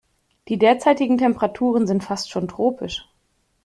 Die derzeitigen Temperaturen sind fast schon tropisch.